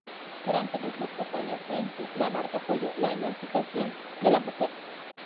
Durante los "locos años veinte", la marca apoyó la emancipación de la mujer.